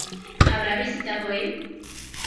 ¿Habrá visitado él?